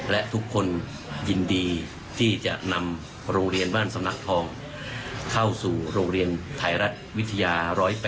และทุกคนยินดีที่จะนำโรงเรียนบ้านสำนักทองเข้าสู่โรงเรียนไทยรัฐวิทยา๑๐๘